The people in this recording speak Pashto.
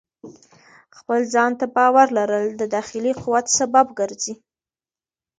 خپل ځان ته باور لرل د داخلي قوت سبب ګرځي.